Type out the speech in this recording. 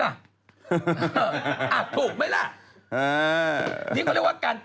การแก้แกก